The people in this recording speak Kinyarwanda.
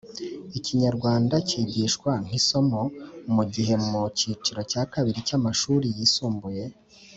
ikinyarwanda kigishwa nk’isomo mu gihe mu kiciro cya kabiri cy’amashuri yisumbuye